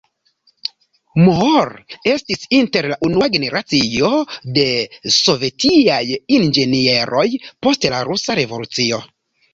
Moore estis inter la unua generacio de sovetiaj inĝenieroj post la Rusa Revolucio.